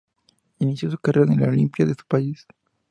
Inició su carrera en el Olimpia de su país.